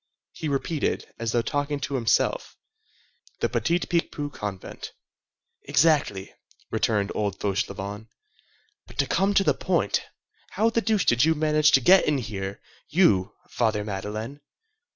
He repeated, as though talking to himself:— "The Petit Picpus convent." "Exactly," returned old Fauchelevent. "But to come to the point, how the deuce did you manage to get in here, you, Father Madeleine?